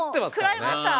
もう食らいました。